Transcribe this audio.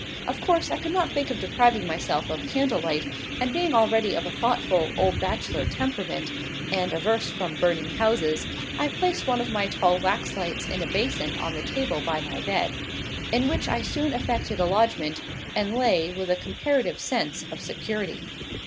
Of course I could not think of depriving myself of candle light; and being already of a thoughtful, old bachelor temperament, and averse from burning houses, I placed one of my tall wax lights in a basin on the table by my bed in which I soon effected a lodgment, and lay with a comparative sense of security.